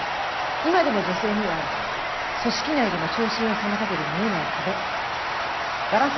今でも女性には組織内での昇進を妨げる見えない壁ガラスの天井がある。